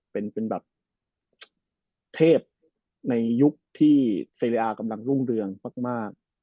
เป็นแบบเทพในยุคที่เซริอากำลังรุ่งเรืองมาก